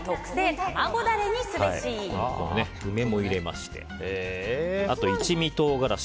ここに梅も入れましてあと一味唐辛子